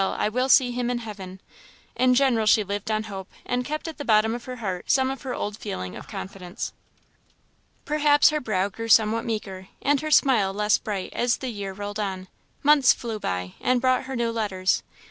I will see him in heaven!" in general she lived on hope, and kept at the bottom of her heart some of her old feeling of confidence. Perhaps her brow grew somewhat meeker, and her smile less bright, as the year rolled on. Months flew by, and brought her no letters.